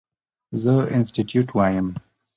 زه انسټيټيوټ وایم.